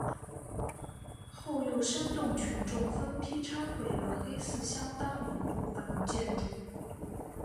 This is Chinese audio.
后又煽动群众分批拆毁了黑寺相当一部分建筑。